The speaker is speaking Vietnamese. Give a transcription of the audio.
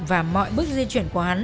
và mọi bước di chuyển của hắn